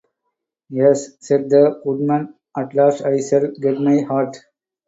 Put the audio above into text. "Yes," said the Woodman, "at last I shall get my heart."